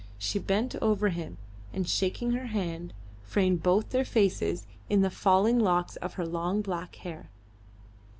She bent over him, and, shaking her head, framed both their faces in the falling locks of her long black hair.